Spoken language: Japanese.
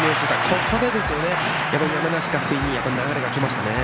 ここで山梨学院に流れがきましたね。